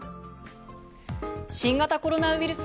新型コロナウイルス